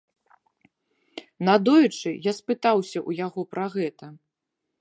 Надоечы я спытаўся ў яго пра гэта.